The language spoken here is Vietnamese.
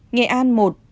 nghệ an một